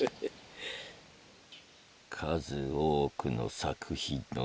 「数多くの作品の１つ」。